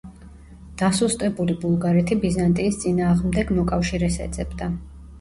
დასუსტებული ბულგარეთი ბიზანტიის წინააღმდეგ მოკავშირეს ეძებდა.